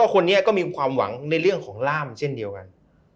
คนนี้ก็มีความหวังในเรื่องของล่ามเช่นเดียวกัน